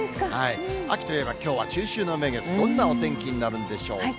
秋といえば、きょうは中秋の名月、どんなお天気になるんでしょうか。